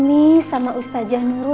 kiai dan juga ustazah nurul